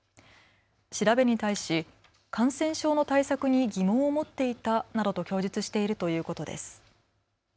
調べに対し感染症の対策に疑問を持っていたなどと供述しているということです。